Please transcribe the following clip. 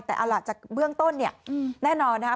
แต่เอาล่ะจากเบื้องต้นเนี่ยแน่นอนนะครับ